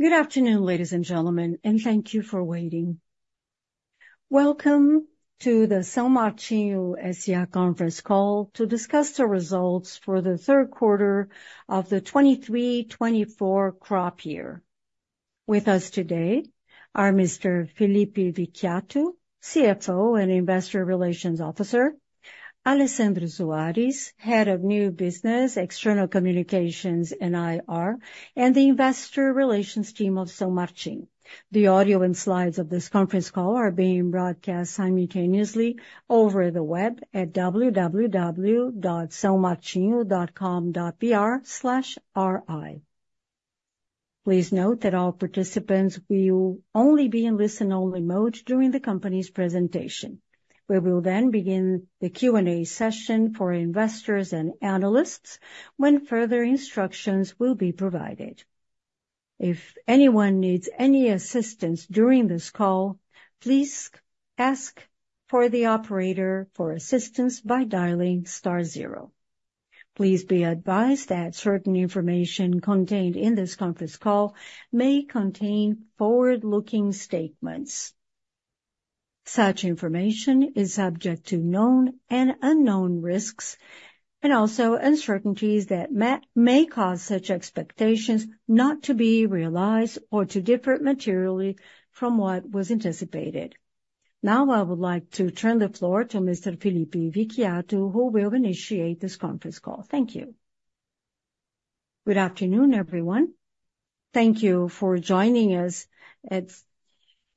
Good afternoon, ladies and gentlemen, and thank you for waiting. Welcome to the São Martinho S.A. conference call to discuss the results for the third quarter of the 2023-2024 crop year. With us today are Mr. Felipe Vicchiato, CFO and Investor Relations Officer; Alessandro Soares, Head of New Business, External Communications, and IR; and the Investor Relations Team of São Martinho. The audio and slides of this conference call are being broadcast simultaneously over the web at www.saomartinho.com.br/ri. Please note that all participants will only be in listen-only mode during the company's presentation. We will then begin the Q&A session for investors and analysts when further instructions will be provided. If anyone needs any assistance during this call, please ask for the operator for assistance by dialing star zero. Please be advised that certain information contained in this conference call may contain forward-looking statements. Such information is subject to known and unknown risks, and also uncertainties that may cause such expectations not to be realized or to differ materially from what was anticipated. Now I would like to turn the floor to Mr. Felipe Vicchiato, who will initiate this conference call. Thank you. Good afternoon, everyone. Thank you for joining us at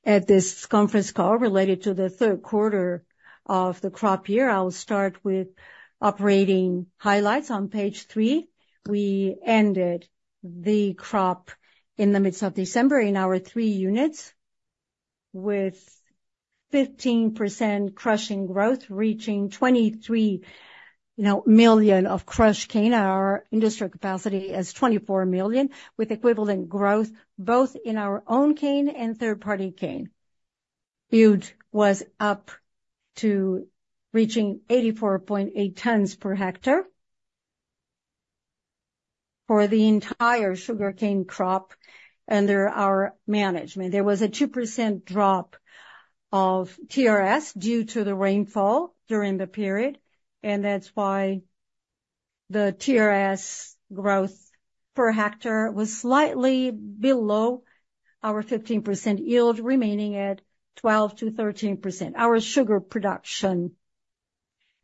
this conference call related to the third quarter of the crop year. I will start with operating highlights. On page three, we ended the crop in the midst of December in our three units, with 15% crushing growth reaching 23 million of crushed cane at our industry capacity as 24 million, with equivalent growth both in our own cane and third-party cane. Yield was up to reaching 84.8 tons per hectare for the entire sugarcane crop under our management. There was a 2% drop of TRS due to the rainfall during the period, and that's why the TRS growth per hectare was slightly below our 15% yield, remaining at 12%-13%. Our sugar production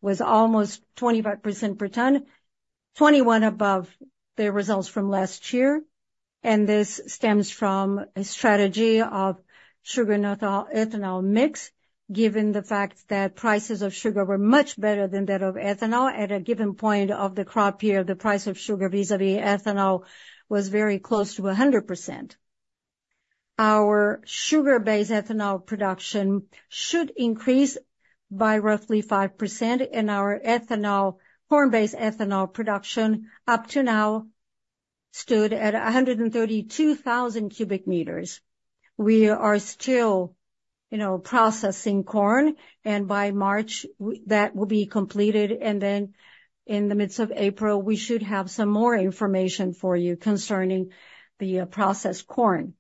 was almost 25% per ton, 21% above the results from last year, and this stems from a strategy of sugar and ethanol mix, given the fact that prices of sugar were much better than that of ethanol. At a given point of the crop year, the price of sugar vis-à-vis ethanol was very close to 100%. Our sugar-based ethanol production should increase by roughly 5%, and our corn-based ethanol production up to now stood at 132,000 cubic meters. We are still, you know, processing corn, and by March that will be completed, and then in the midst of April we should have some more information for you concerning the processed corn.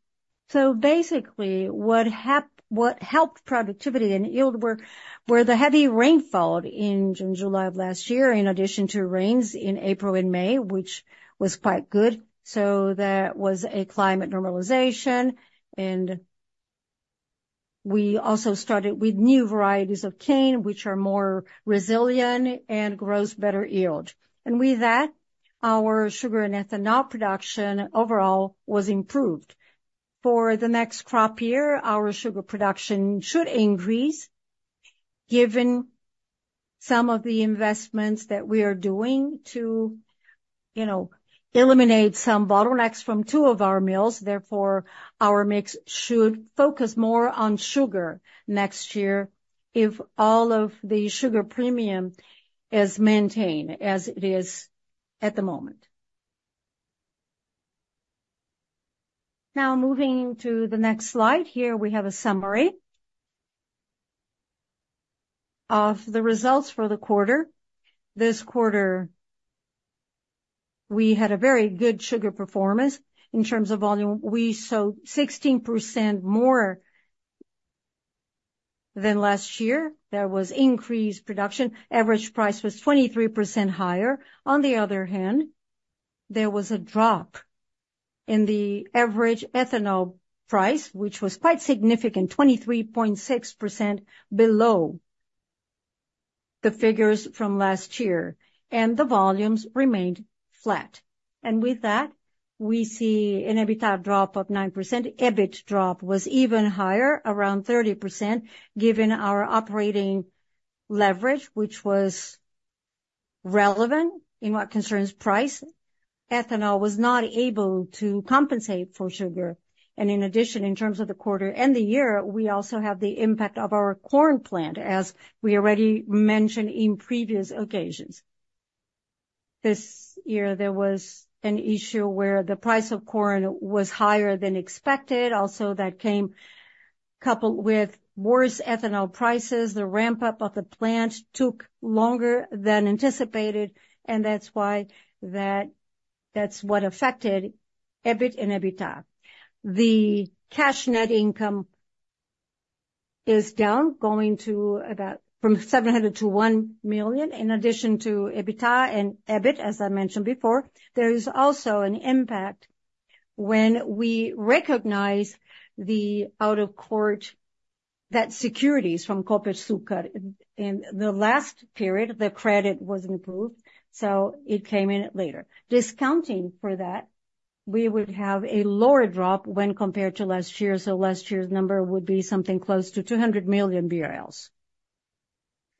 So basically, what helped productivity and yield were the heavy rainfall in July of last year, in addition to rains in April and May, which was quite good. So that was a climate normalization, and we also started with new varieties of cane, which are more resilient and grow better yield. And with that, our sugar and ethanol production overall was improved. For the next crop year, our sugar production should increase, given some of the investments that we are doing to, you know, eliminate some bottlenecks from two of our mills. Therefore, our mix should focus more on sugar next year if all of the sugar premium is maintained as it is at the moment. Now moving to the next slide. Here we have a summary of the results for the quarter. This quarter we had a very good sugar performance in terms of volume. We saw 16% more than last year. There was increased production. Average price was 23% higher. On the other hand, there was a drop in the average ethanol price, which was quite significant, 23.6% below the figures from last year, and the volumes remained flat. And with that, we see an EBITDA drop of 9%. EBIT drop was even higher, around 30%, given our operating leverage, which was relevant in what concerns price. Ethanol was not able to compensate for sugar. And in addition, in terms of the quarter and the year, we also have the impact of our corn plant, as we already mentioned in previous occasions. This year there was an issue where the price of corn was higher than expected. Also that came coupled with worse ethanol prices. The ramp-up of the plant took longer than anticipated, and that's why that's what affected EBIT and EBITDA. The cash net income is down, going to about from 700 to 1 million. In addition to EBITDA and EBIT, as I mentioned before, there is also an impact when we recognize the out-of-court settlement from Copersucar. In the last period, the credit wasn't approved, so it came in later. Discounting for that, we would have a lower drop when compared to last year, so last year's number would be something close to 200 million BRL.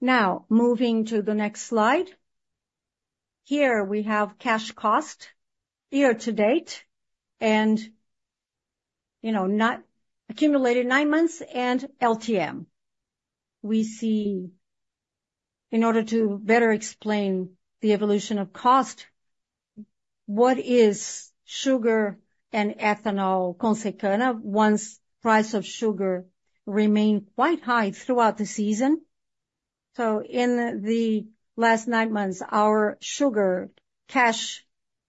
Now moving to the next slide. Here we have cash cost year-to-date and, you know, accumulated nine months and LTM. We see, in order to better explain the evolution of cost, what is sugar and ethanol components since price of sugar remained quite high throughout the season. So in the last nine months, our sugar cash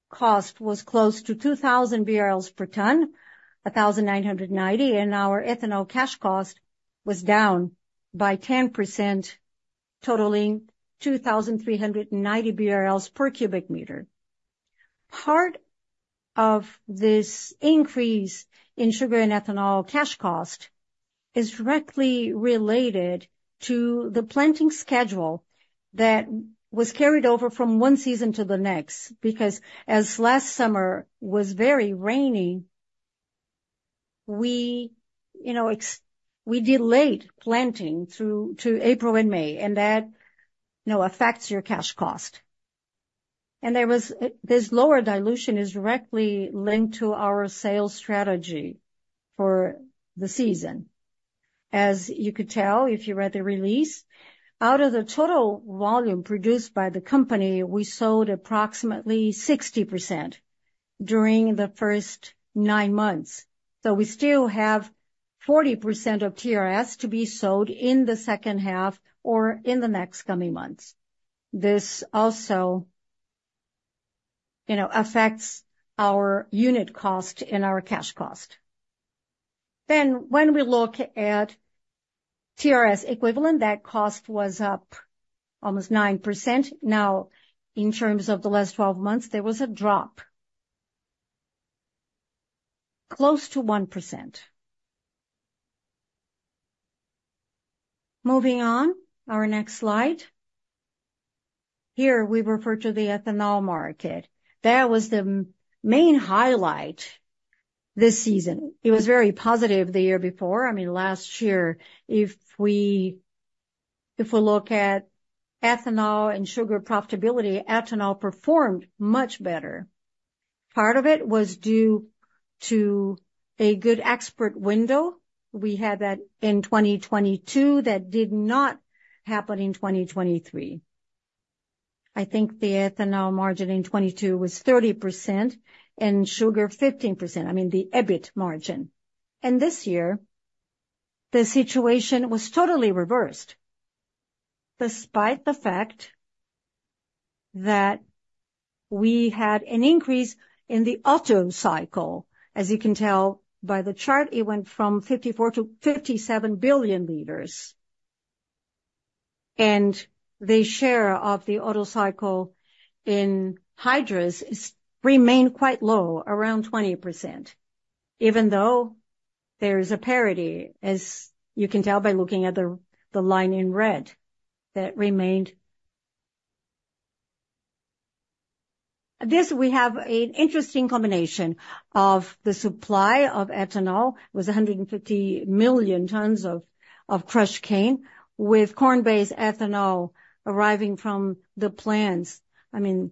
cost was close to 2,000 BRL per ton, 1,990, and our ethanol cash cost was down by 10%, totaling 2,390 BRL per cubic meter. Part of this increase in sugar and ethanol cash cost is directly related to the planting schedule that was carried over from one season to the next because, as last summer was very rainy, we, you know, delayed planting through April and May, and that, you know, affects your cash cost. And there was this lower dilution is directly linked to our sales strategy for the season. As you could tell if you read the release, out of the total volume produced by the company, we sold approximately 60% during the first nine months. So we still have 40% of TRS to be sold in the second half or in the next coming months. This also, you know, affects our unit cost and our cash cost. Then when we look at TRS equivalent, that cost was up almost 9%. Now, in terms of the last 12 months, there was a drop close to 1%. Moving on, our next slide. Here we refer to the ethanol market. That was the main highlight this season. It was very positive the year before. I mean, last year, if we look at ethanol and sugar profitability, ethanol performed much better. Part of it was due to a good export window. We had that in 2022. That did not happen in 2023. I think the ethanol margin in 2022 was 30% and sugar 15%. I mean, the EBIT margin. This year, the situation was totally reversed, despite the fact that we had an increase in the Otto cycle. As you can tell by the chart, it went from 54 billion-57 billion L, and the share of the auto cycle in hydrous remained quite low, around 20%, even though there is a parity, as you can tell by looking at the line in red that remained. This, we have an interesting combination of the supply of ethanol. It was 150 million tons of crushed cane, with corn-based ethanol arriving from the plants. I mean,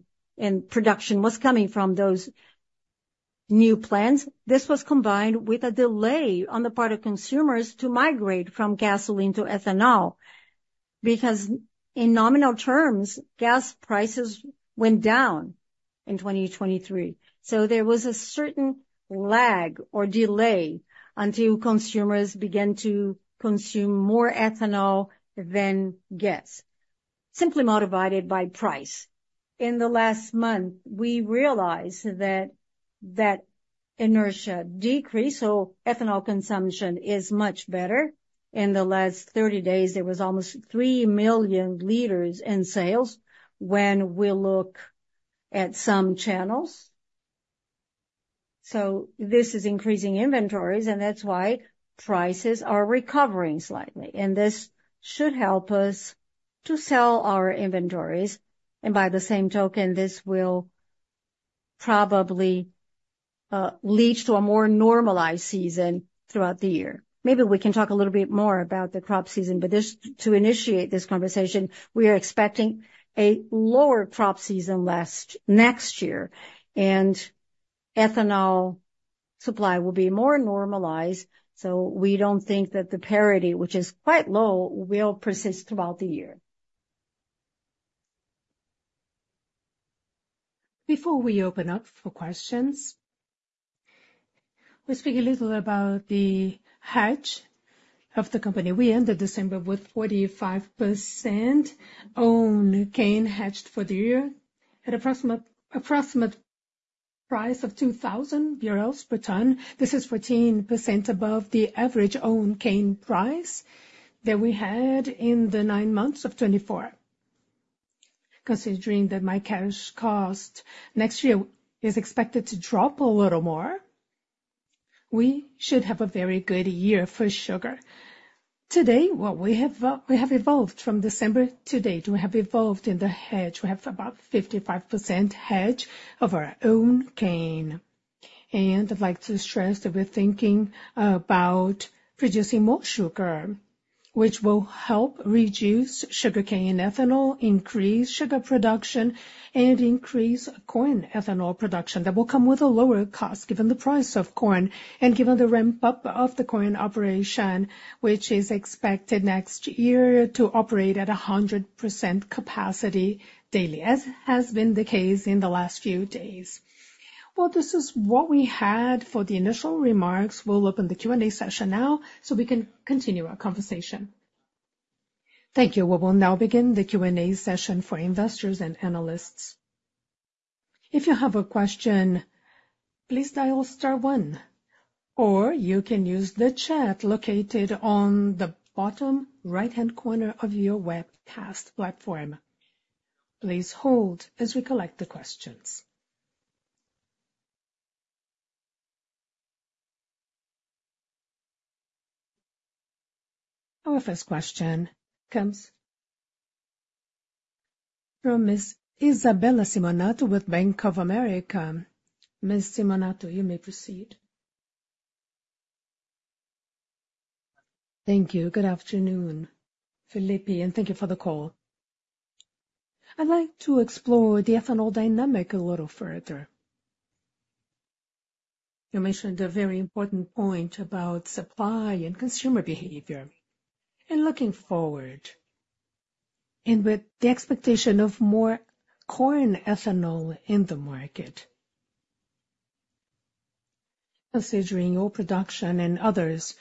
production was coming from those new plants. This was combined with a delay on the part of consumers to migrate from gasoline to ethanol because, in nominal terms, gas prices went down in 2023. So there was a certain lag or delay until consumers began to consume more ethanol than gas, simply motivated by price. In the last month, we realized that that inertia decreased, so ethanol consumption is much better. In the last 30 days, there was almost 3 million L in sales when we look at some channels. So this is increasing inventories, and that's why prices are recovering slightly, and this should help us to sell our inventories. And by the same token, this will probably lead to a more normalized season throughout the year. Maybe we can talk a little bit more about the crop season, but to initiate this conversation, we are expecting a lower crop season next year, and ethanol supply will be more normalized. So we don't think that the parity, which is quite low, will persist throughout the year. Before we open up for questions, we'll speak a little about the hedge of the company. We ended December with 45% owned cane hedged for the year, at an approximate price of BRL 2,000 per ton. This is 14% above the average owned cane price that we had in the nine months of 2024. Considering that my cash cost next year is expected to drop a little more, we should have a very good year for sugar. Today, what we have evolved from December to date we have evolved in the hedge. We have about 55% hedge of our owned cane. And I'd like to stress that we're thinking about producing more sugar, which will help reduce sugarcane and ethanol, increase sugar production, and increase corn ethanol production. That will come with a lower cost given the price of corn and given the ramp-up of the corn operation, which is expected next year to operate at 100% capacity daily, as has been the case in the last few days. Well, this is what we had for the initial remarks. We'll open the Q&A session now so we can continue our conversation. Thank you. We will now begin the Q&A session for investors and analysts. If you have a question, please dial star one, or you can use the chat located on the bottom right-hand corner of your webcast platform. Please hold as we collect the questions. Our first question comes from Ms. Isabella Simonato with Bank of America. Ms. Simonato, you may proceed. Thank you. Good afternoon, Felipe, and thank you for the call. I'd like to explore the ethanol dynamic a little further. You mentioned a very important point about supply and consumer behavior and looking forward and with the expectation of more corn ethanol in the market. Considering your production and others,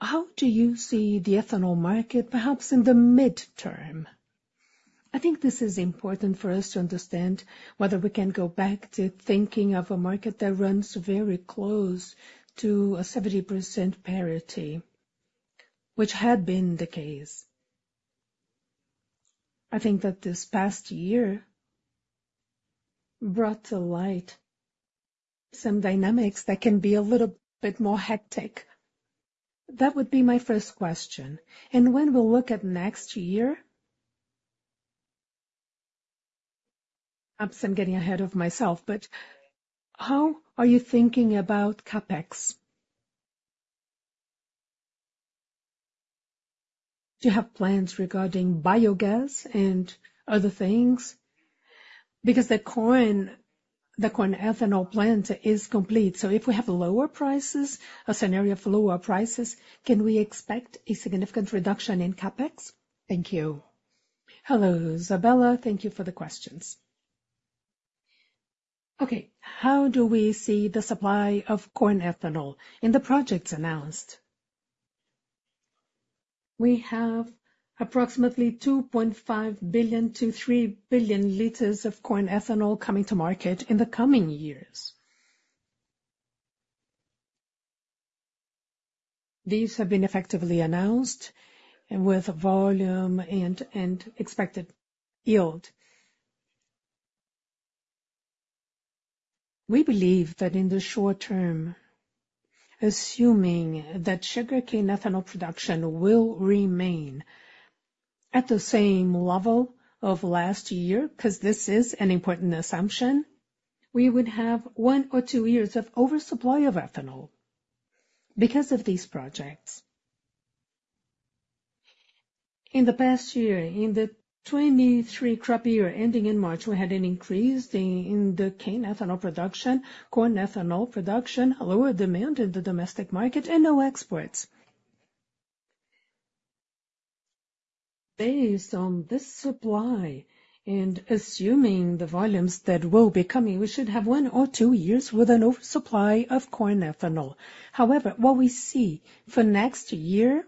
how do you see the ethanol market, perhaps in the midterm? I think this is important for us to understand whether we can go back to thinking of a market that runs very close to a 70% parity, which had been the case. I think that this past year brought to light some dynamics that can be a little bit more hectic. That would be my first question. And when we'll look at next year perhaps I'm getting ahead of myself, but how are you thinking about CapEx? Do you have plans regarding biogas and other things? Because the corn ethanol plant is complete, so if we have lower prices, a scenario of lower prices, can we expect a significant reduction in CapEx? Thank you. Hello, Isabella. Thank you for the questions. Okay. How do we see the supply of corn ethanol in the projects announced? We have approximately 2.5 billion-3 billion L of corn ethanol coming to market in the coming years. These have been effectively announced with volume and expected yield. We believe that in the short term, assuming that sugarcane ethanol production will remain at the same level of last year because this is an important assumption, we would have one or two years of oversupply of ethanol because of these projects. In the past year, in the 2023 crop year ending in March, we had an increase in the cane ethanol production, corn ethanol production, lower demand in the domestic market, and no exports. Based on this supply and assuming the volumes that will be coming, we should have one or two years with an oversupply of corn ethanol. However, what we see for next year is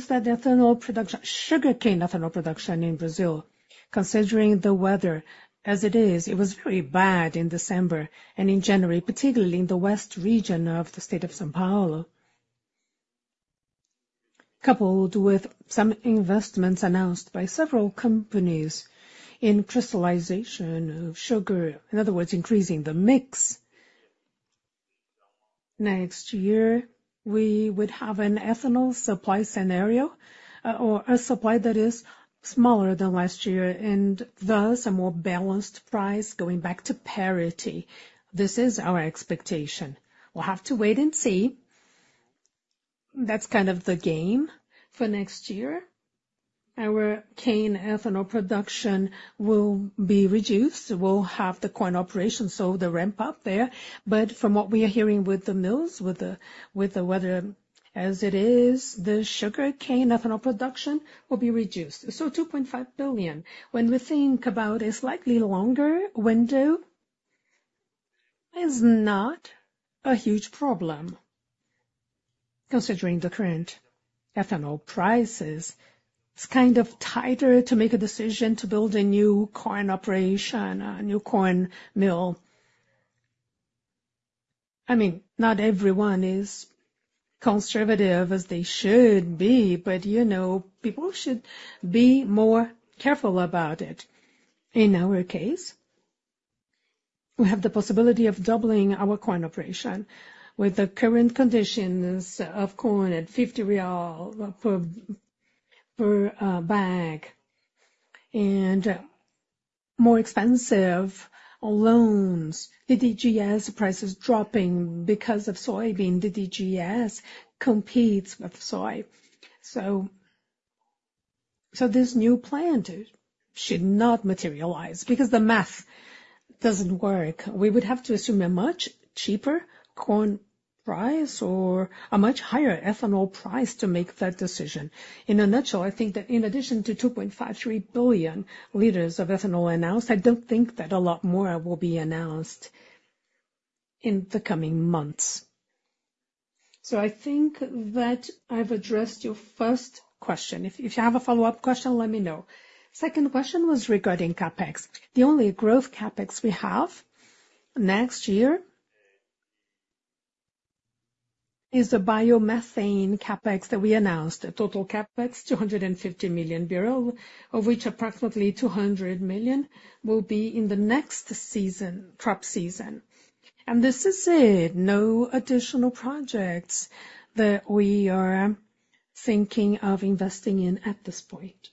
that ethanol production, sugarcane ethanol production in Brazil, considering the weather as it is, it was very bad in December and in January, particularly in the west region of the state of São Paulo, coupled with some investments announced by several companies in crystallization of sugar, in other words, increasing the mix. Next year, we would have an ethanol supply scenario or a supply that is smaller than last year and thus a more balanced price going back to parity. This is our expectation. We'll have to wait and see. That's kind of the game for next year. Our cane ethanol production will be reduced. We'll have the corn operation, so the ramp-up there. But from what we are hearing with the mills, with the weather as it is, the sugarcane ethanol production will be reduced, so 2.5 billion. When we think about a slightly longer window, it's not a huge problem considering the current ethanol prices. It's kind of tighter to make a decision to build a new corn operation, a new corn mill. I mean, not everyone is conservative as they should be, but, you know, people should be more careful about it. In our case, we have the possibility of doubling our corn operation with the current conditions of corn at 50 real per bag and more expensive loans. DDGS prices dropping because of soybean. DDGS competes with soy. So this new plant should not materialize because the math doesn't work. We would have to assume a much cheaper corn price or a much higher ethanol price to make that decision. In a nutshell, I think that in addition to 2.53 billion L of ethanol announced, I don't think that a lot more will be announced in the coming months. So I think that I've addressed your first question. If you have a follow-up question, let me know. Second question was regarding CapEx. The only growth CapEx we have next year is the biomethane CapEx that we announced, total CapEx, 250 million, of which approximately 200 million will be in the next season, crop season. And this is it. No additional projects that we are thinking of investing in at this point.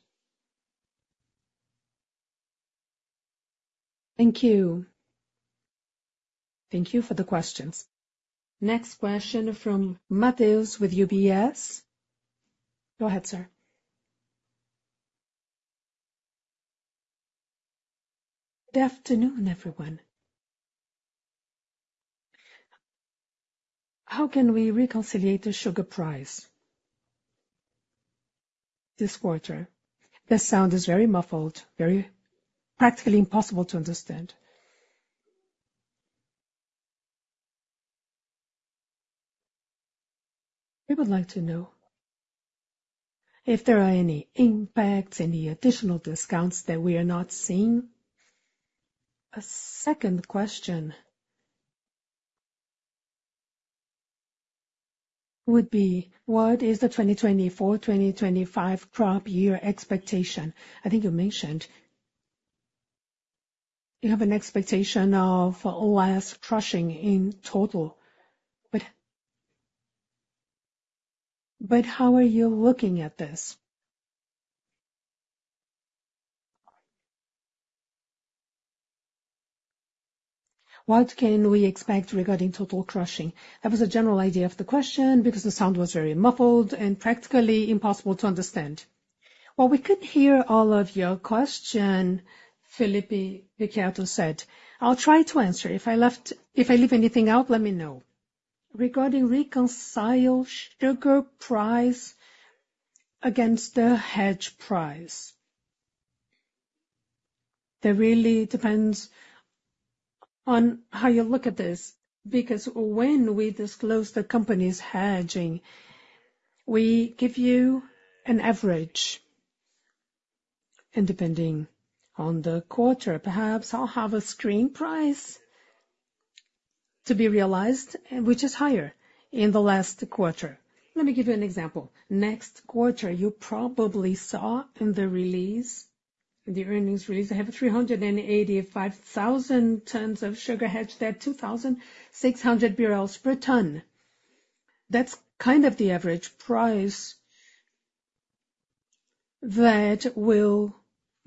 Thank you. Thank you for the questions. Next question from Matheus with UBS. Go ahead, sir. Good afternoon, everyone. How can we reconcile the sugar price this quarter? This sound is very muffled, very practically impossible to understand. We would like to know if there are any impacts, any additional discounts that we are not seeing. A second question would be, what is the 2024-2025 crop year expectation? I think you mentioned you have an expectation of less crushing in total, but how are you looking at this? What can we expect regarding total crushing? That was a general idea of the question because the sound was very muffled and practically impossible to understand. Well, we could hear all of your questions, Felipe Vicchiato said. I'll try to answer. If I leave anything out, let me know. Regarding reconciled sugar price against the hedge price, that really depends on how you look at this because when we disclose the company's hedging, we give you an average and depending on the quarter, perhaps I'll have a screen price to be realized, which is higher in the last quarter. Let me give you an example. Next quarter, you probably saw in the release, the earnings release, they have 385,000 tons of sugar hedged at 2,600 per ton. That's kind of the average price that will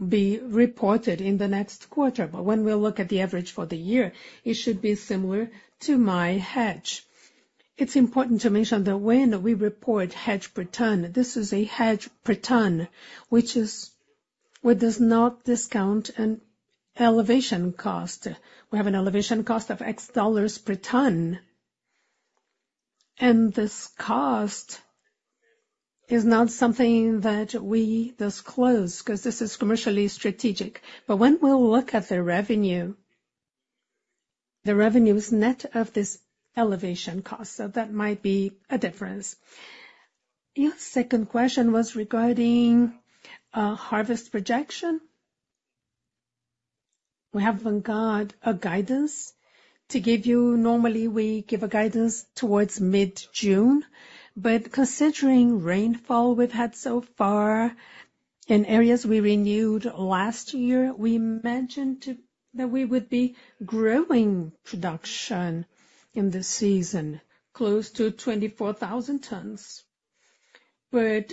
be reported in the next quarter. But when we look at the average for the year, it should be similar to my hedge. It's important to mention that when we report hedge per ton, this is a hedge per ton, which is we does not discount an elevation cost. We have an elevation cost of $X per ton, and this cost is not something that we disclose because this is commercially strategic. But when we look at the revenue, the revenue is net of this elevation cost, so that might be a difference. Your second question was regarding harvest projection. We haven't got a guidance to give you. Normally, we give a guidance towards mid-June, but considering rainfall we've had so far in areas we renewed last year, we imagined that we would be growing production in this season, close to 24,000 tons. But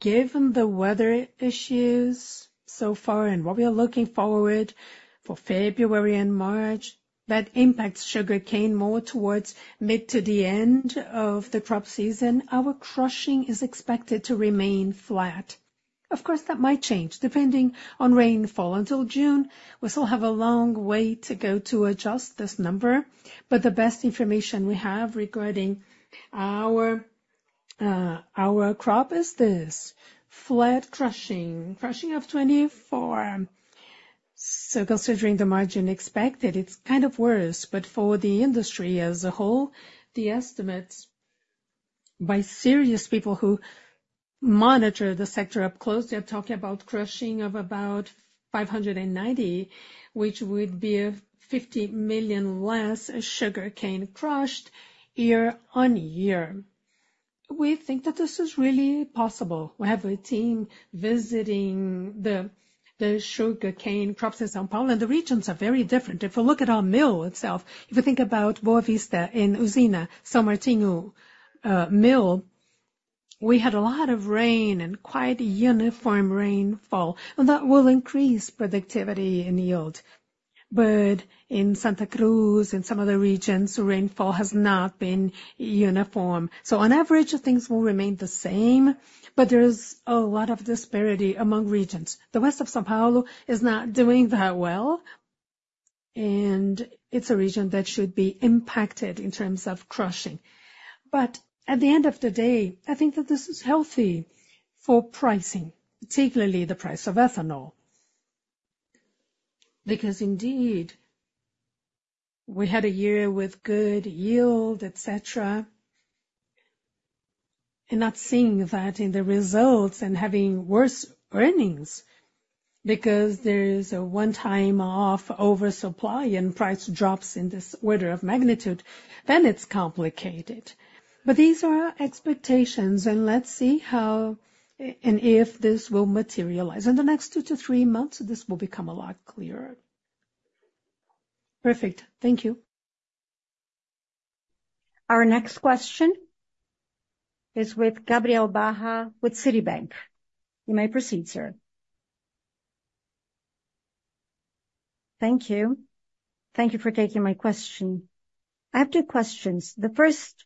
given the weather issues so far and what we are looking forward for February and March, that impacts sugarcane more towards mid to the end of the crop season, our crushing is expected to remain flat. Of course, that might change depending on rainfall until June. We still have a long way to go to adjust this number, but the best information we have regarding our crop is this: flat crushing, crushing of 24. So considering the margin expected, it's kind of worse, but for the industry as a whole, the estimates by serious people who monitor the sector up close, they're talking about crushing of about 590, which would be 50 million less sugarcane crushed year-on-year. We think that this is really possible. We have a team visiting the sugarcane crops in São Paulo, and the regions are very different. If we look at our mill itself, if we think about Boa Vista in Goiás, São Martinho mill, we had a lot of rain and quite uniform rainfall, and that will increase productivity and yield. But in Santa Cruz and some other regions, rainfall has not been uniform, so on average, things will remain the same, but there is a lot of disparity among regions. The west of São Paulo is not doing that well, and it's a region that should be impacted in terms of crushing. But at the end of the day, I think that this is healthy for pricing, particularly the price of ethanol because indeed we had a year with good yield, etc., and not seeing that in the results and having worse earnings because there is a one-time off oversupply and price drops in this order of magnitude, then it's complicated. But these are our expectations, and let's see how and if this will materialize. In the next two-three months, this will become a lot clearer. Perfect. Thank you. Our next question is with Gabriel Barra with Citibank. You may proceed, sir. Thank you. Thank you for taking my question. I have two questions. The first,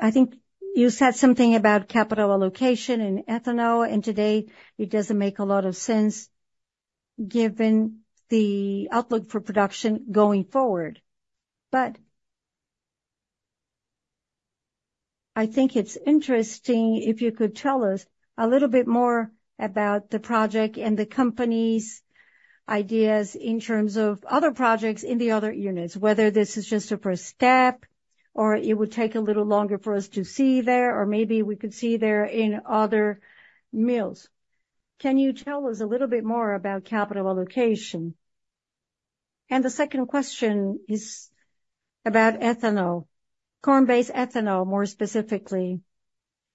I think you said something about capital allocation in ethanol, and today it doesn't make a lot of sense given the outlook for production going forward. But I think it's interesting if you could tell us a little bit more about the project and the company's ideas in terms of other projects in the other units, whether this is just a first step or it would take a little longer for us to see there or maybe we could see there in other mills. Can you tell us a little bit more about capital allocation? And the second question is about ethanol, corn-based ethanol more specifically.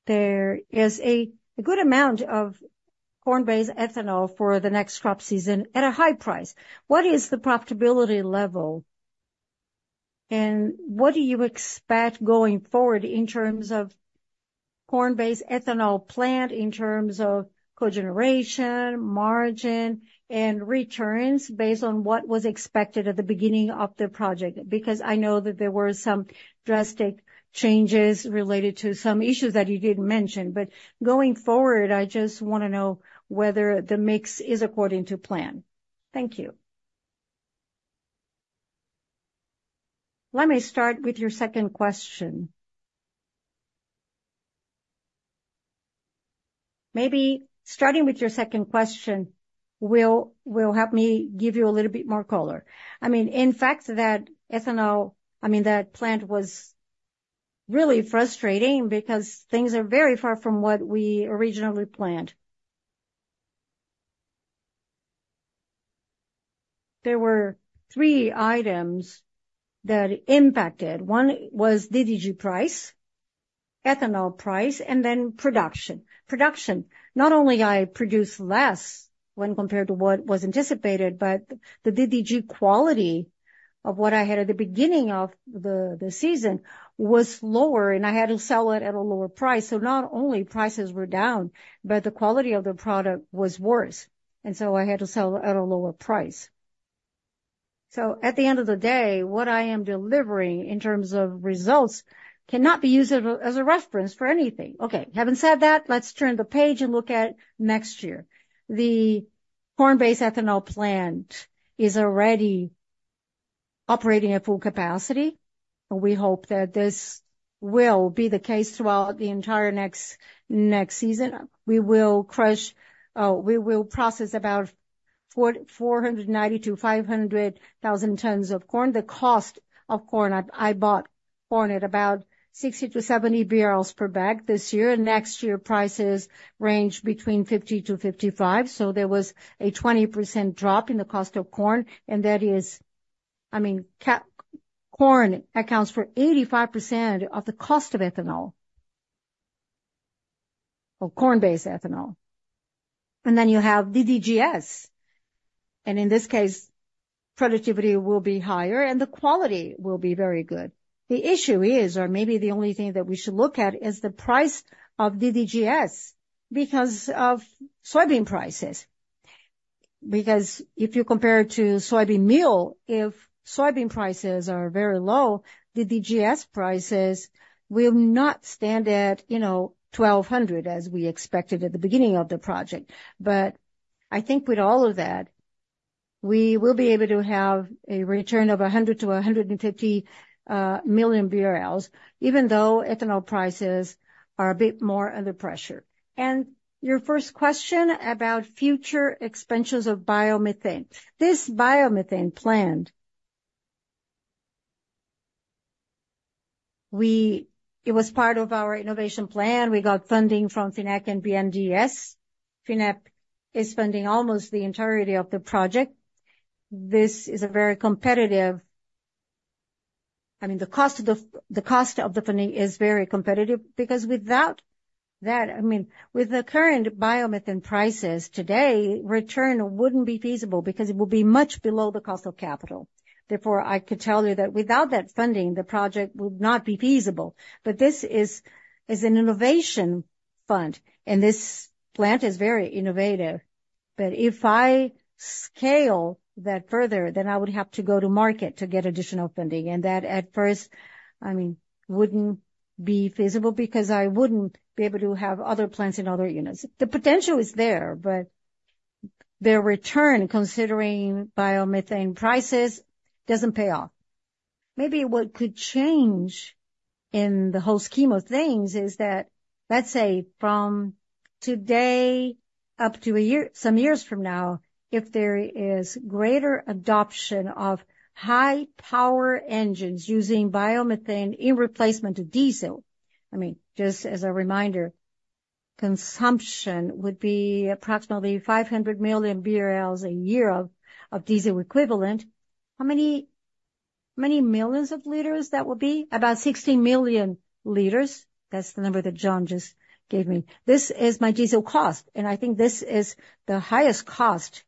There is a good amount of corn-based ethanol for the next crop season at a high price. What is the profitability level, and what do you expect going forward in terms of corn-based ethanol plant, in terms of cogeneration, margin, and returns based on what was expected at the beginning of the project? Because I know that there were some drastic changes related to some issues that you didn't mention, but going forward, I just want to know whether the mix is according to plan. Thank you. Let me start with your second question. Maybe starting with your second question will help me give you a little bit more color. I mean, in fact, that ethanol I mean, that plant was really frustrating because things are very far from what we originally planned. There were three items that impacted. One was DDG price, ethanol price, and then production. Production, not only I produced less when compared to what was anticipated, but the DDG quality of what I had at the beginning of the season was lower, and I had to sell it at a lower price. So not only prices were down, but the quality of the product was worse, and so I had to sell at a lower price. So at the end of the day, what I am delivering in terms of results cannot be used as a reference for anything. Okay. Having said that, let's turn the page and look at next year. The corn-based ethanol plant is already operating at full capacity, and we hope that this will be the case throughout the entire next season. We will process about 490,000-500,000 tons of corn. The cost of corn, I bought corn at about 60-70 per bag this year. Next year, prices range between 50-55, so there was a 20% drop in the cost of corn, and that is I mean, corn accounts for 85% of the cost of ethanol or corn-based ethanol. And then you have DDGS, and in this case, productivity will be higher, and the quality will be very good. The issue is or maybe the only thing that we should look at is the price of DDGS because of soybean prices. Because if you compare it to soybean meal, if soybean prices are very low, DDGS prices will not stand at 1,200 as we expected at the beginning of the project. But I think with all of that, we will be able to have a return of 100 million-150 million BRL even though ethanol prices are a bit more under pressure. And your first question about future expenses of biomethane. This biomethane plant, it was part of our innovation plan. We got funding from FINEP and BNDES. FINEP is funding almost the entirety of the project. This is a very competitive I mean, the cost of the funding is very competitive because without that I mean, with the current biomethane prices today, return wouldn't be feasible because it will be much below the cost of capital. Therefore, I could tell you that without that funding, the project would not be feasible. But this is an innovation fund, and this plant is very innovative. But if I scale that further, then I would have to go to market to get additional funding, and that at first, I mean, wouldn't be feasible because I wouldn't be able to have other plants in other units. The potential is there, but their return, considering biomethane prices, doesn't pay off. Maybe what could change in the whole scheme of things is that, let's say, from today up to some years from now, if there is greater adoption of high-power engines using biomethane in replacement of diesel. I mean, just as a reminder, consumption would be approximately 500 million BRL a year of diesel equivalent. How many millions of liters that would be? About 16 million L. That's the number that João just gave me. This is my diesel cost, and I think this is the highest cost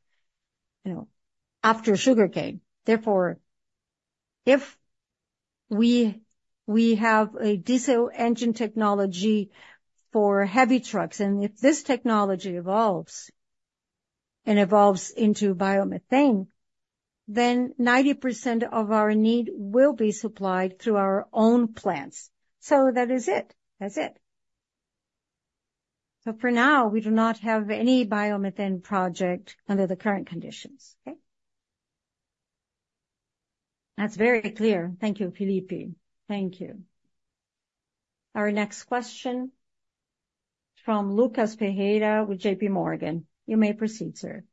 after sugarcane. Therefore, if we have a diesel engine technology for heavy trucks, and if this technology evolves and evolves into biomethane, then 90% of our need will be supplied through our own plants. So that is it. That's it. So for now, we do not have any biomethane project under the current conditions. Okay. That's very clear. Thank you, Felipe. Thank you. Our next question from Lucas Ferreira with JPMorgan. You may proceed, sir.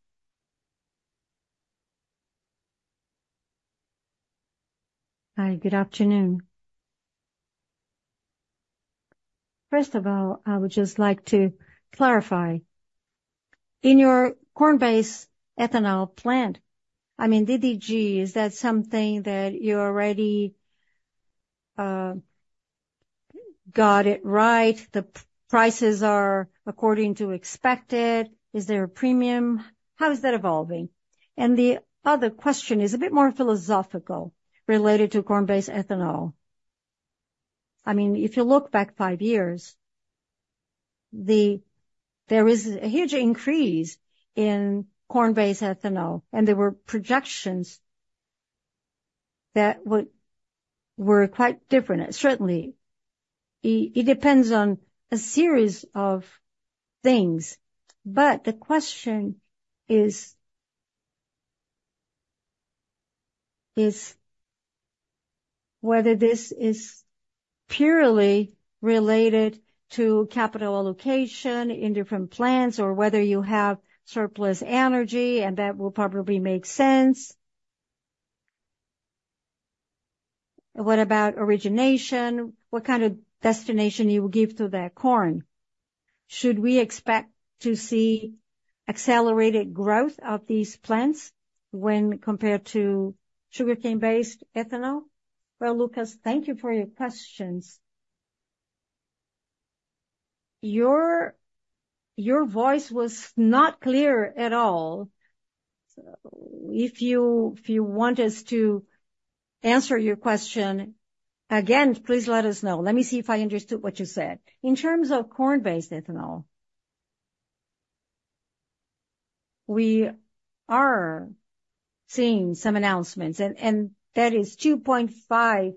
Hi. Good afternoon. First of all, I would just like to clarify. In your corn-based ethanol plant, I mean, DDG, is that something that you already got it right? The prices are according to expected. Is there a premium? How is that evolving? And the other question is a bit more philosophical related to corn-based ethanol. I mean, if you look back five years, there is a huge increase in corn-based ethanol, and there were projections that were quite different. Certainly, it depends on a series of things, but the question is whether this is purely related to capital allocation in different plants or whether you have surplus energy, and that will probably make sense. What about origination? What kind of destination you will give to that corn? Should we expect to see accelerated growth of these plants when compared to sugarcane-based ethanol? Well, Lucas, thank you for your questions. Your voice was not clear at all. So if you want us to answer your question again, please let us know. Let me see if I understood what you said. In terms of corn-based ethanol, we are seeing some announcements, and that is 2.5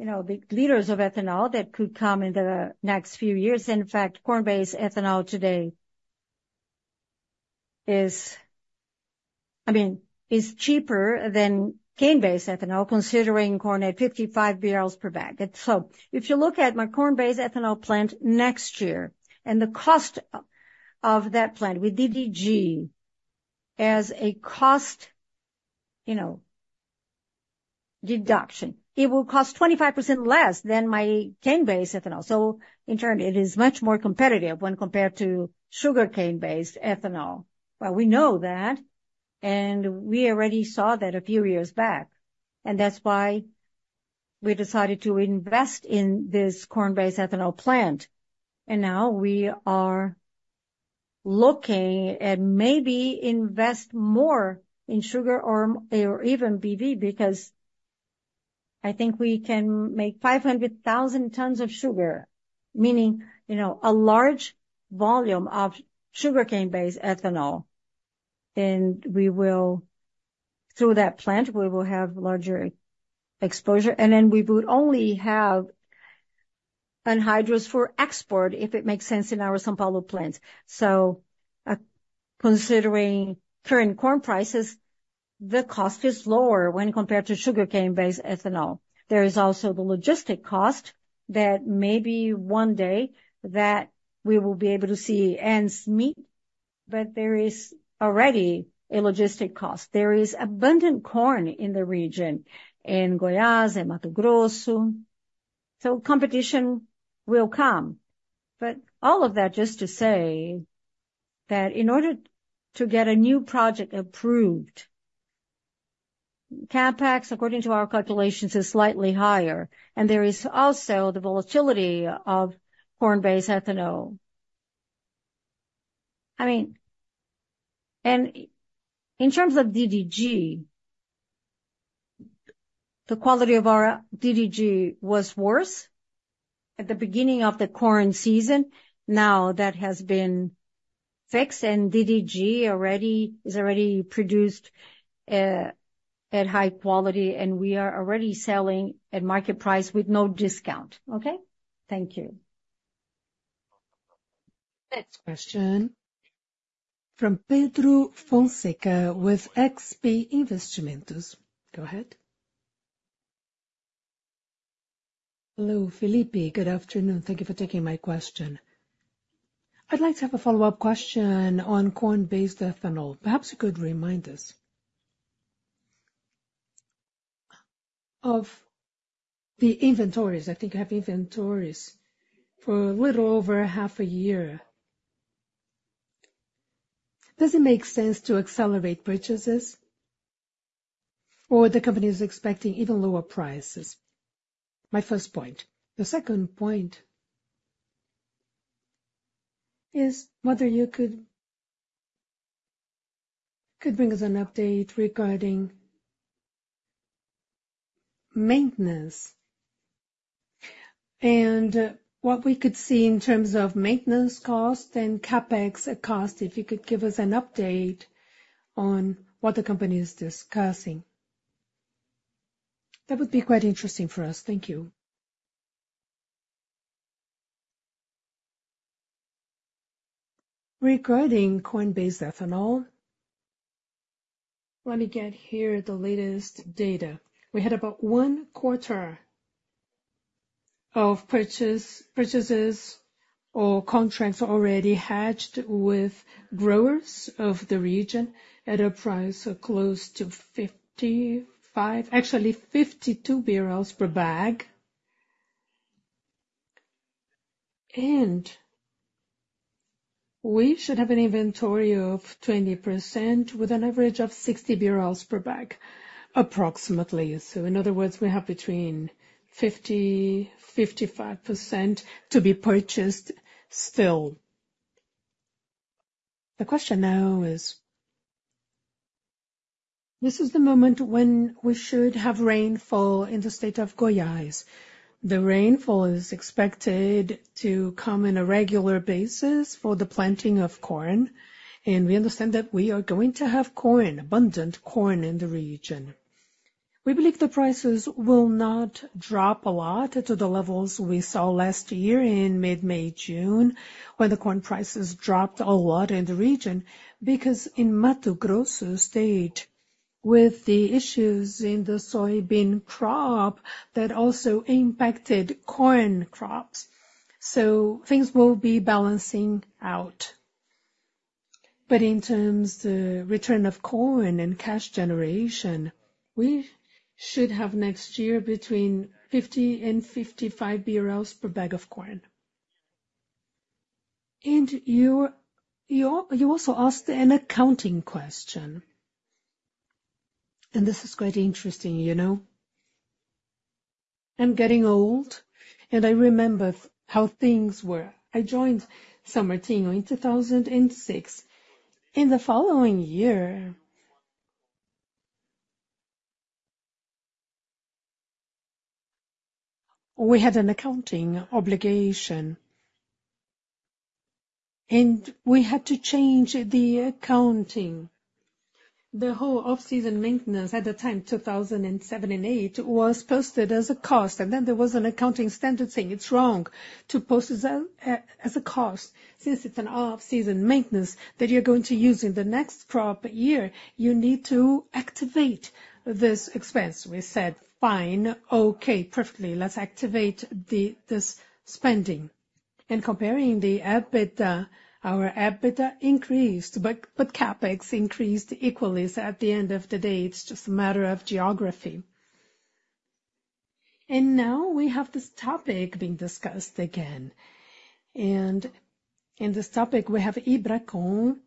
L of ethanol that could come in the next few years. In fact, corn-based ethanol today is cheaper than cane-based ethanol considering corn at 55 per bag. So if you look at my corn-based ethanol plant next year and the cost of that plant with DDG as a cost deduction, it will cost 25% less than my cane-based ethanol. So in turn, it is much more competitive when compared to sugarcane-based ethanol. Well, we know that, and we already saw that a few years back, and that's why we decided to invest in this corn-based ethanol plant. And now we are looking at maybe investing more in sugar or even BV because I think we can make 500,000 tons of sugar, meaning a large volume of sugarcane-based ethanol, and through that plant, we will have larger exposure. And then we would only have anhydrous for export if it makes sense in our São Paulo plants. So considering current corn prices, the cost is lower when compared to sugarcane-based ethanol. There is also the logistic cost that maybe one day we will be able to make ends meet, but there is already a logistic cost. There is abundant corn in the region in Goiás and Mato Grosso. So competition will come. But all of that just to say that in order to get a new project approved, CapEx, according to our calculations, is slightly higher, and there is also the volatility of corn-based ethanol. I mean, and in terms of DDG, the quality of our DDG was worse at the beginning of the corn season. Now that has been fixed, and DDG is already produced at high quality, and we are already selling at market price with no discount. Okay. Thank you. Next question from Pedro Fonseca with XP Investimentos. Go ahead. Hello, Felipe. Good afternoon. Thank you for taking my question. I'd like to have a follow-up question on corn-based ethanol. Perhaps you could remind us of the inventories. I think you have inventories for a little over half a year. Does it make sense to accelerate purchases or the company is expecting even lower prices? My first point. The second point is whether you could bring us an update regarding maintenance and what we could see in terms of maintenance cost and CapEx cost if you could give us an update on what the company is discussing. That would be quite interesting for us. Thank you. Regarding corn-based ethanol, let me get here the latest data. We had about one quarter of purchases or contracts already hedged with growers of the region at a price close to 55, actually 52 per bag, and we should have an inventory of 20% with an average of 60 per bag approximately. So in other words, we have between 50%-55% to be purchased still. The question now is this is the moment when we should have rainfall in the state of Goiás. The rainfall is expected to come on a regular basis for the planting of corn, and we understand that we are going to have corn, abundant corn in the region. We believe the prices will not drop a lot to the levels we saw last year in mid-May, June when the corn prices dropped a lot in the region because in Mato Grosso State, with the issues in the soybean crop that also impacted corn crops, so things will be balancing out. But in terms of the return of corn and cash generation, we should have next year between 50-55 BRL per bag of corn. You also asked an accounting question, and this is quite interesting. I'm getting old, and I remember how things were. I joined São Martinho in 2006. In the following year, we had an accounting obligation, and we had to change the accounting. The whole off-season maintenance at the time, 2007 and 2008, was posted as a cost, and then there was an accounting standard saying it's wrong to post it as a cost. Since it's an off-season maintenance that you're going to use in the next crop year, you need to activate this expense. We said, "Fine. Okay. Perfectly. Let's activate this spending." And comparing the EBITDA, our EBITDA increased, but CapEx increased equally. So at the end of the day, it's just a matter of geography. And now we have this topic being discussed again. And in this topic, we have Ibracon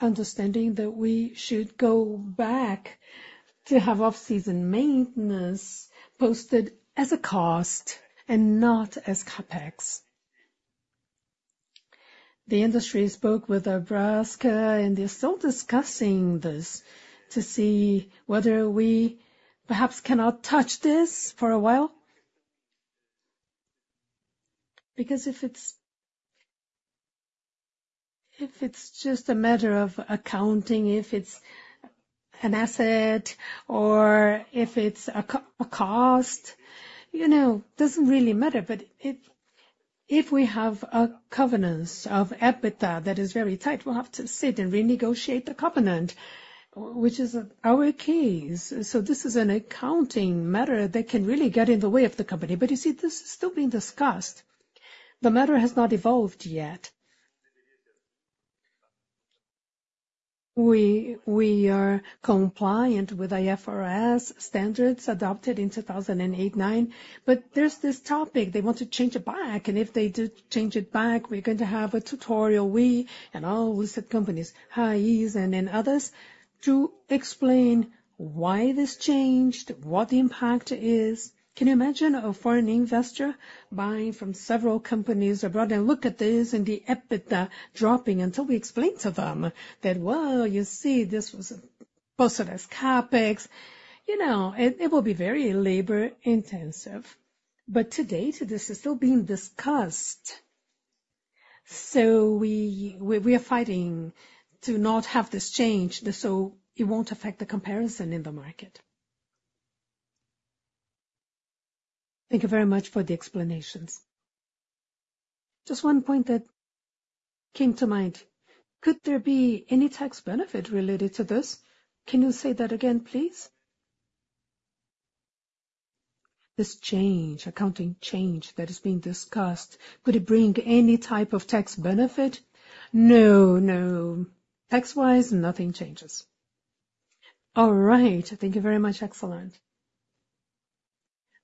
understanding that we should go back to have off-season maintenance posted as a cost and not as CapEx. The industry spoke with Abrasca, and they're still discussing this to see whether we perhaps cannot touch this for a while because if it's just a matter of accounting, if it's an asset or if it's a cost, it doesn't really matter. But if we have a covenant of EBITDA that is very tight, we'll have to sit and renegotiate the covenant, which is our case. So this is an accounting matter that can really get in the way of the company. But you see, this is still being discussed. The matter has not evolved yet. We are compliant with IFRS standards adopted in 2008, 2009, but there's this topic. They want to change it back, and if they do change it back, we're going to have a tutorial, we and all listed companies, Raízen and others, to explain why this changed, what the impact is. Can you imagine a foreign investor buying from several companies abroad and look at this and the EBITDA dropping until we explain to them that, "Well, you see, this was posted as CapEx"? It will be very labor-intensive. But to date, this is still being discussed. So we are fighting to not have this change so it won't affect the comparison in the market. Thank you very much for the explanations. Just one point that came to mind. Could there be any tax benefit related to this? Can you say that again, please? This change, accounting change that is being discussed, could it bring any type of tax benefit? No, no. Tax-wise, nothing changes. All right. Thank you very much. Excellent.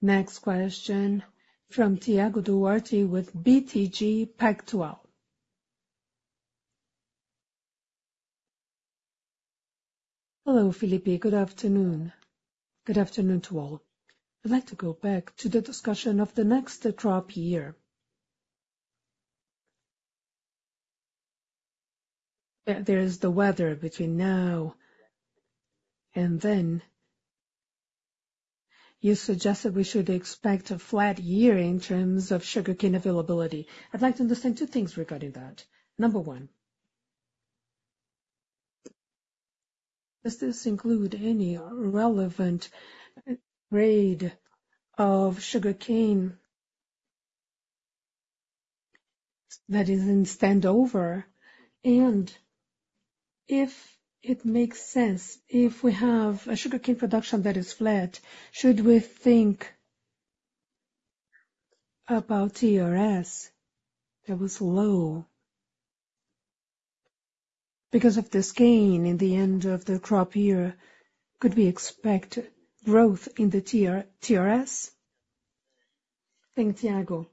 Next question from Thiago Duarte with BTG Pactual. Hello, Felipe. Good afternoon. Good afternoon to all. I'd like to go back to the discussion of the next crop year. There is the weather between now and then. You suggested we should expect a flat year in terms of sugarcane availability. I'd like to understand two things regarding that. Number one, does this include any relevant grade of sugarcane that is in standover? And if it makes sense, if we have a sugarcane production that is flat, should we think about TRS that was low because of this rain in the end of the crop year? Could we expect growth in the TRS? Thanks, Thiago.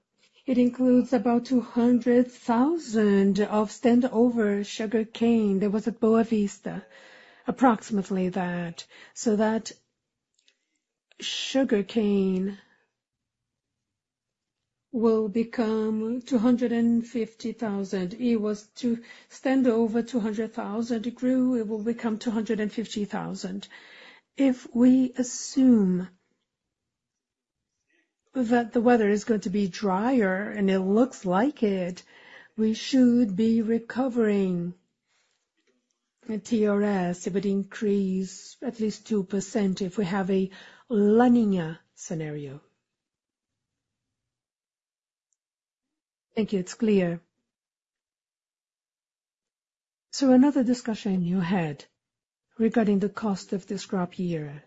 It includes about 200,000 of standover sugarcane that was at Boa Vista, approximately that, so that sugarcane will become 250,000. It was standover 200,000. It grew. It will become 250,000. If we assume that the weather is going to be drier and it looks like it, we should be recovering TRS. It would increase at least 2% if we have a La Niña scenario. Thank you. It's clear. So another discussion you had regarding the cost of this crop year.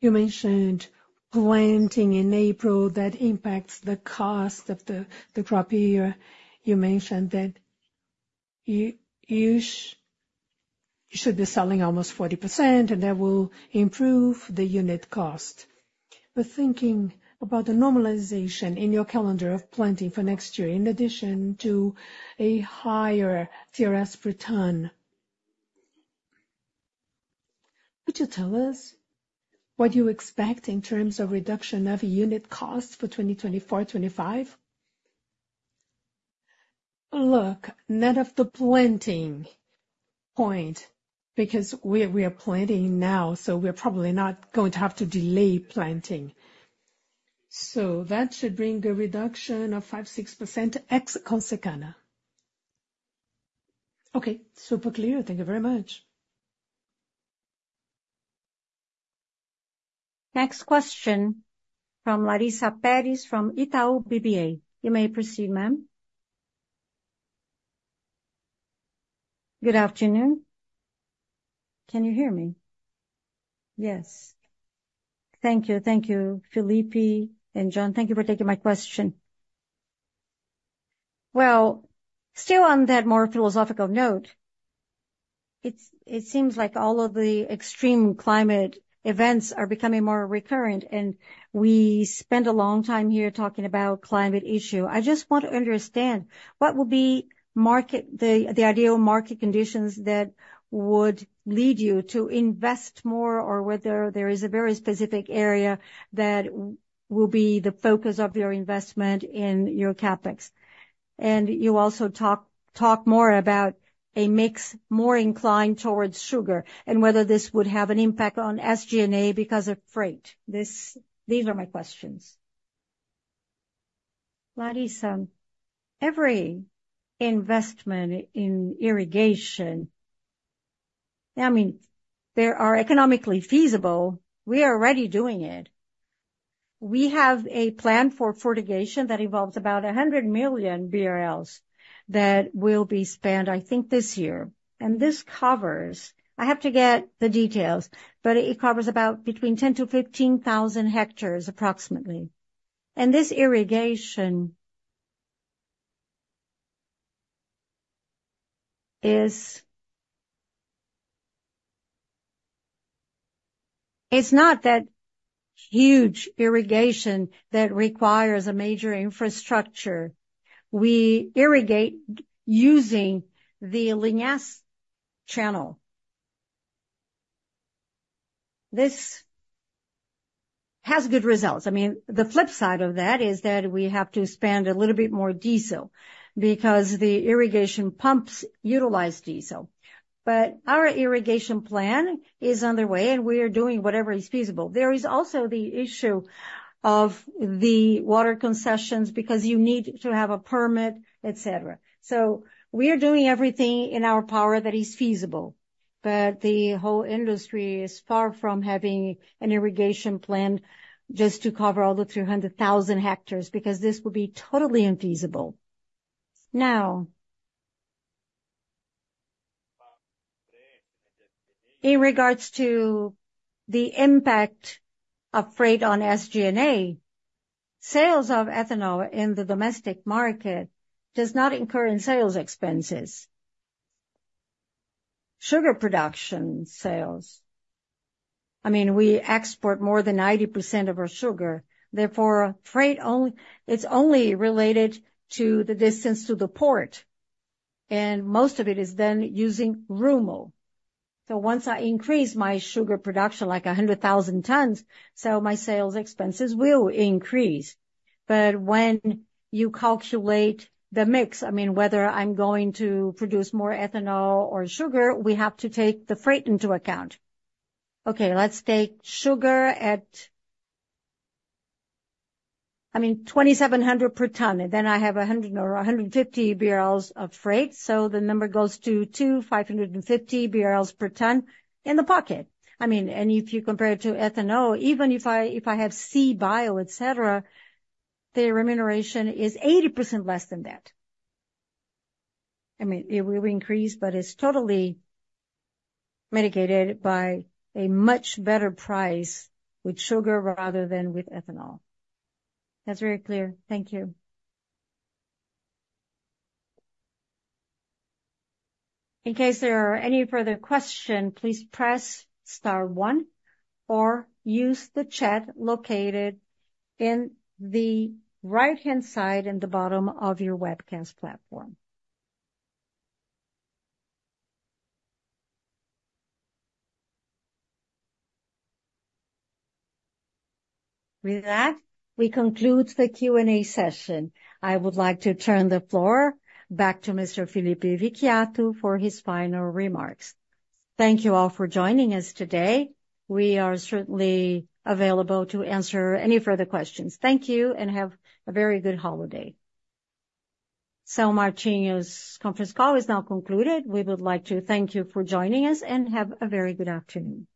You mentioned planting in April that impacts the cost of the crop year. You mentioned that you should be selling almost 40%, and that will improve the unit cost. But thinking about the normalization in your calendar of planting for next year in addition to a higher TRS return, could you tell us what you expect in terms of reduction of unit cost for 2024, 2025? Look, none of the planting point because we are planting now, so we're probably not going to have to delay planting. So that should bring a reduction of 5%-6% ex Consecana. Okay. Super clear. Thank you very much. Next question from Larissa Pérez from Itaú BBA. You may proceed, ma'am. Good afternoon. Can you hear me? Yes. Thank you. Thank you, Felipe and João. Thank you for taking my question. Well, still on that more philosophical note, it seems like all of the extreme climate events are becoming more recurrent, and we spend a long time here talking about climate issue. I just want to understand what would be the ideal market conditions that would lead you to invest more or whether there is a very specific area that will be the focus of your investment in your CapEx. And you also talk more about a mix more inclined towards sugar and whether this would have an impact on SG&A because of freight. These are my questions. Larissa, every investment in irrigation I mean, they are economically feasible. We are already doing it. We have a plan for fertigation that involves about 100 million BRL that will be spent, I think, this year. This covers I have to get the details, but it covers about between 10,000-15,000 hectares approximately. This irrigation is not that huge irrigation that requires a major infrastructure. We irrigate using the Vinasse channel. This has good results. I mean, the flip side of that is that we have to spend a little bit more diesel because the irrigation pumps utilize diesel. Our irrigation plan is underway, and we are doing whatever is feasible. There is also the issue of the water concessions because you need to have a permit, etc. We are doing everything in our power that is feasible. The whole industry is far from having an irrigation plan just to cover all the 300,000 hectares because this would be totally infeasible. Now, in regards to the impact of freight on SG&A, sales of ethanol in the domestic market does not incur in sales expenses. Sugar production sales. I mean, we export more than 90% of our sugar. Therefore, freight only it's only related to the distance to the port, and most of it is then using Rumo. So once I increase my sugar production like 100,000 tons, so my sales expenses will increase. But when you calculate the mix, I mean, whether I'm going to produce more ethanol or sugar, we have to take the freight into account. Okay. Let's take sugar at, I mean, 2,700 per ton. Then I have 100 or 150 BRL of freight, so the number goes to 2,550 BRL per ton in the pocket. I mean, and if you compare it to ethanol, even if I have CBIO, etc., their remuneration is 80% less than that. I mean, it will increase, but it's totally mitigated by a much better price with sugar rather than with ethanol. That's very clear. Thank you. In case there are any further questions, please press star one or use the chat located in the right-hand side in the bottom of your webcast platform. With that, we conclude the Q&A session. I would like to turn the floor back to Mr. Felipe Vicchiato for his final remarks. Thank you all for joining us today. We are certainly available to answer any further questions. Thank you and have a very good holiday. São Martinho's conference call is now concluded. We would like to thank you for joining us and have a very good afternoon.